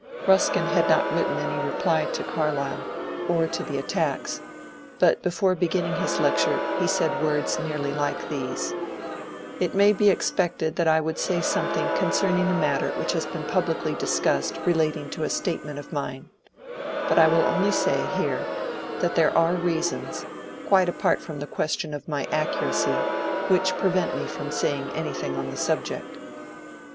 Ruskin had not written any reply to Car 118 MONCURE DANIEL CONWAY lyle or to the attacks, but before beginning his lecture he said words nearly like these :" It may be expected that I would say something concerning the matter which has been publicly discussed relating to a statement of mine ; but I will only say here that there ai*e reasons, quite apart from the question of my accuracy, which prevent me from saying anything on the subject."